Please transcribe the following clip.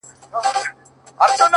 • خر بارونو ته پیدا خرکار ترڅنګ وي ,